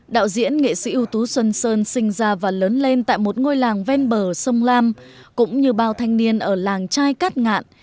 đạo diễn nghệ sĩ ưu tú xuân sơn sinh ra và lớn lên tại một ngôi làng ven bờ sông lam cũng như bao thanh niên ở làng trai cát ngạn